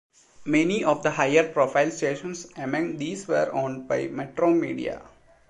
Many of the higher-profile stations among these were owned by Metromedia.